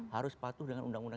harus patuh dengan undang undang